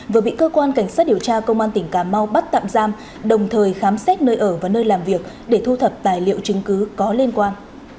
vừa bị cơ quan cảnh sát điều tra công an tỉnh cà mau bắt tạm giam đồng thời khám xét nơi ở và nơi làm việc để thu thập tài liệu chứng cứ có liên quan